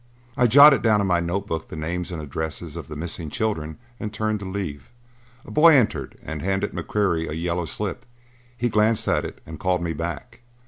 I jotted down in my notebook the names and addresses of the missing children and turned to leave. A boy entered and handed McQuarrie a yellow slip. He glanced at it and called me back.